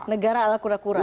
negara ala kura kura